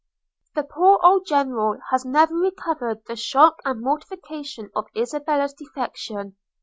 'The poor old General has never recovered the shock and mortification of Isabella's defection.